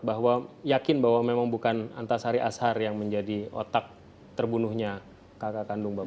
bahwa yakin bahwa memang bukan antasari ashar yang menjadi otak terbunuhnya kakak kandung bapak